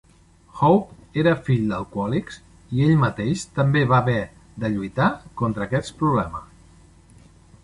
Hope era fill d'alcohòlics i ell mateix també va haver de lluitar contra aquest problema.